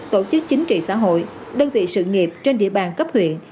tổ chức chính trị xã hội đơn vị sự nghiệp trên địa bàn cấp huyện